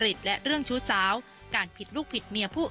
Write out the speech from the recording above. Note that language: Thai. และก็ไม่ได้ยัดเยียดให้ทางครูส้มเซ็นสัญญา